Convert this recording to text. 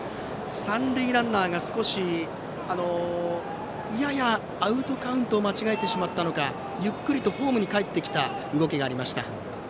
三塁ランナーがややアウトカウントを間違えてしまったのかゆっくりとホームにかえってきた動きがありました。